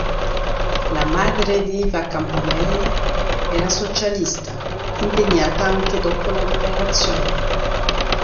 La madre Diva Campanella era socialista, impegnata anche dopo la Liberazione.